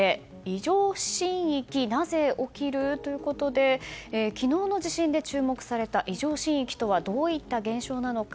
異常震域なぜ起きる？ということで昨日の地震で注目された異常震域とはどういった現象なのか。